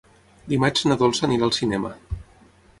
Dimarts na Dolça anirà al cinema.